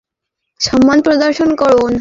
তিনি তাঁকে সম্মান প্রদর্শন করলেন।